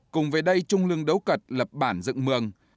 cùng với đây trung lương đấu cật lập bản dựng mường